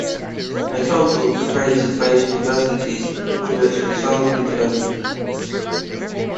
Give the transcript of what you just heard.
It also provides advice to businesses through its consulting division.